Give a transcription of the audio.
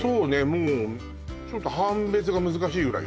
もうちょっと判別が難しいぐらいよね